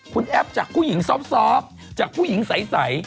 คุณแอปจากผู้หญิงซอบจากผู้หญิงใส